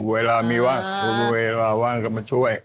เวลามีว่างเวลาว่างก็มาช่วย